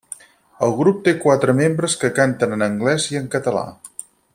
El grup té quatre membres que canten en anglès i en català.